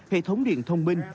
hệ thống điện thông minh